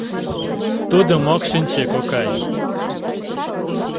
Тудым ок шинче «кокай»...